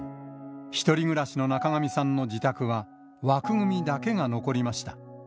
１人暮らしの中神さんの自宅は、枠組みだけが残りました。